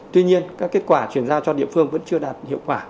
tuy nhiên các kết quả chuyển giao cho địa phương vẫn chưa đạt hiệu quả